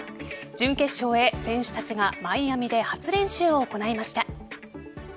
準決勝へ、選手たちがマイアミで初練習を行いました。